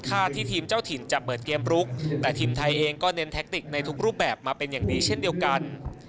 กันจากประเด็นที่สรสาอุดีอาราเบียตีดข่าว